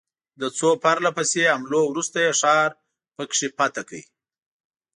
له څو پرله پسې حملو وروسته یې ښار په کې فتح کړ.